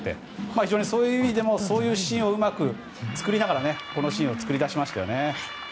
非常にそういう意味でもそういうシーンをうまく作りながらこのシーンを作りだしました。